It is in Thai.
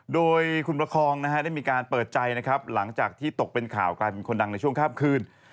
โดยคุณประคองนะฮะได้มีการเปิดใจนะครับหลังจากที่ตกเป็นข่าวกลายเป็นคนดังในช่วงข้ามคืน